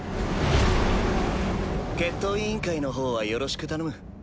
決闘委員会の方はよろしく頼む。